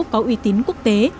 có uy tín quốc tế